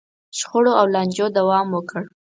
شخړو او لانجو دوام وکړ.